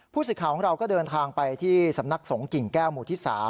สิทธิ์ของเราก็เดินทางไปที่สำนักสงกิ่งแก้วหมู่ที่๓